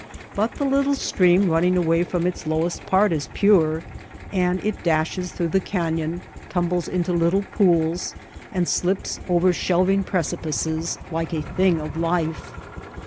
But the little stream running away from its lowest part is pure ; and it dashes through the canyon, tumbles into little pools, and slips over shelving precipices like a thing of life.